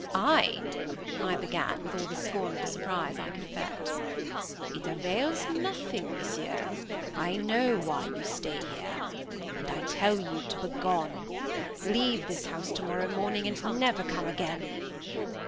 "I!" I began, with all the scornful surprise I could affect. "It avails nothing, Monsieur; I know why you stay here; and I tell you to begone. Leave this house tomorrow morning, and never come again."